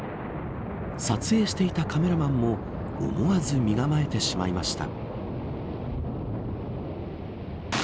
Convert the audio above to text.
撮影していたカメラマンも思わず身構えてしまいました。